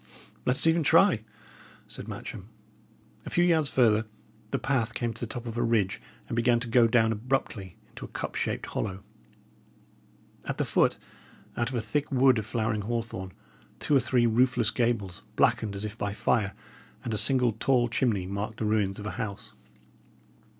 "Let us even try," said Matcham. A few yards further, the path came to the top of a ridge and began to go down abruptly into a cup shaped hollow. At the foot, out of a thick wood of flowering hawthorn, two or three roofless gables, blackened as if by fire, and a single tall chimney marked the ruins of a house.